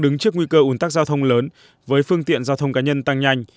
đứng trước nguy cơ ủn tắc giao thông lớn với phương tiện giao thông cá nhân tăng nhanh